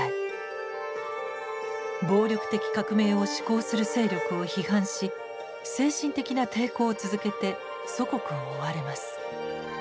暴力的革命を志向する勢力を批判し精神的な抵抗を続けて祖国を追われます。